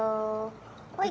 ほい！